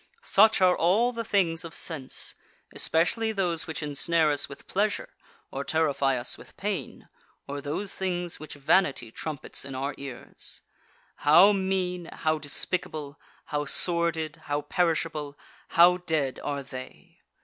Such are all the things of sense, especially those which ensnare us with pleasure or terrify us with pain, or those things which vanity trumpets in our ears. How mean, how despicable, how sordid, how perishable, how dead are they!